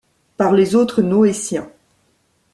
par les autres Noétiens.